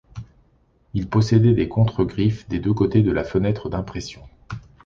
Il possédait des contre-griffes des deux côtés de la fenêtre d’impression.